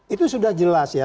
itu sudah jelas ya